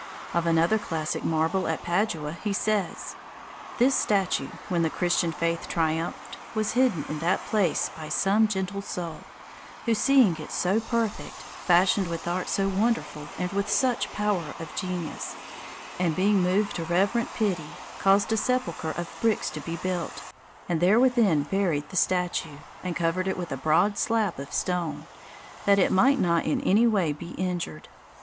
Of another classic marble at Padua he says, "This statue, when the Christian faith triumphed, was hidden in that place by some gentle soul, who, seeing it so perfect, fashioned with art so wonderful, and with such power of genius, and being moved to reverent pity, caused a sepulchre of bricks to be built, and there within buried the statue, and covered it with a broad slab of stone, that it might not in any way be injured.